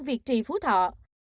việt trì phú thọ